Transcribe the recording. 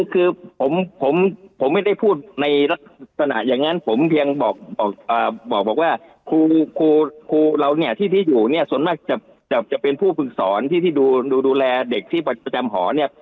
คือผมไม่ได้พูดในลักษณะอย่างนั้นผมเพียงบอกว่าครูเราเนี่ยที่อยู่เนี่ยส่วนมากจะเป็นผู้ฝึกสอนที่ดูแลเด็กที่ประจำหอเนี่ย